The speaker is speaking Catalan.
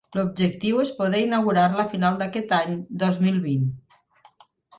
L'objectiu és poder inaugurar-la a finals d'aquest any dos mil vint.